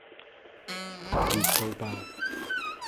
熱到爆